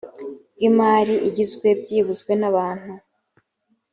bw imari igizwe byibuze n abantu